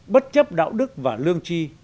bất chấp đạo đức và lương tri